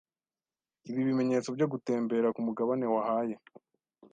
Ibi bimenyetso byo gutembera kumugabane wahaye